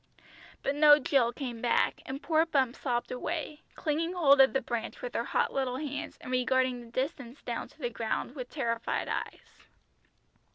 But no Jill came back, and poor Bumps sobbed away, clinging hold of the branch with her hot little hands and regarding the distance down to the ground with terrified eyes.